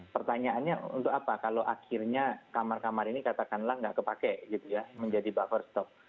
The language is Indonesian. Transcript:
pertanyaannya untuk apa kalau akhirnya kamar kamar ini katakanlah tidak terpakai menjadi buffer stop